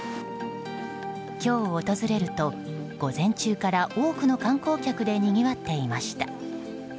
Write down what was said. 今日訪れると午前中から多くの観光客でにぎわっていました。